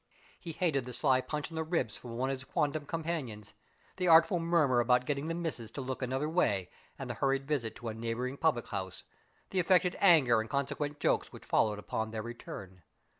He hated the sly punch in the ribs from one of his quondam companions, the artful murmur about getting the missis to look another way and the hurried visit to a neighboring public house, the affected anger and consequent jokes which followed upon their return.